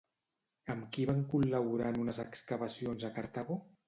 Amb qui van col·laborar en unes excavacions a Cartago?